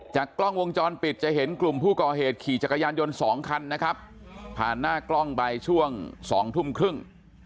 กล้องวงจรปิดจะเห็นกลุ่มผู้ก่อเหตุขี่จักรยานยนต์๒คันนะครับผ่านหน้ากล้องไปช่วง๒ทุ่มครึ่ง